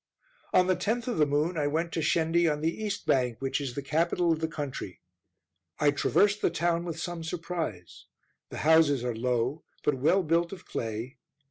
On the 10th of the moon, I went to Shendi on the east bank, which is the capital of the country. I traversed the town with some surprise; the houses are low, but well built of clay.